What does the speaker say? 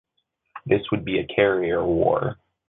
This would be a carrier war.